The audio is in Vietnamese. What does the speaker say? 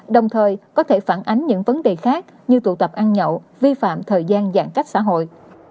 đồng thời có thể phản ánh những vấn đề khác như tụ tập ăn nhậu vi phạm thời gian giãn cách xã hội